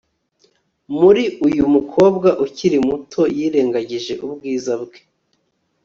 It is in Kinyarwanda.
muri uyu mukobwa ukiri muto yirengagije ubwiza bwe